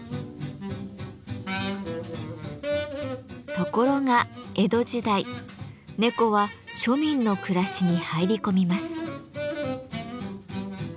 ところが江戸時代猫は庶民の暮らしに入り込みます。